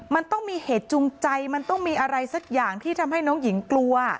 มันต้องมีเหตุจูงใจมันต้องมีอะไรสักอย่างที่ทำให้น้องหญิงกลัว